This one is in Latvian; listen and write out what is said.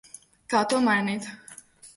Kā to mainīt?